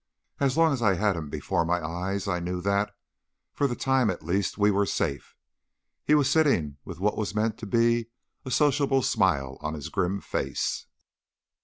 As long as I had him before my eyes I knew that, for the time at least, we were safe. He was sitting with what was meant to be a sociable smile on his grim face.